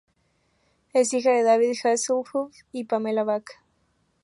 Es hija de David Hasselhoff y Pamela Bach.